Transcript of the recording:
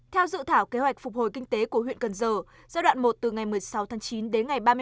theo dự thảo kế hoạch phục hồi kinh tế của huyện cần giờ giai đoạn một từ ngày một mươi sáu tháng chín đến ngày ba mươi hai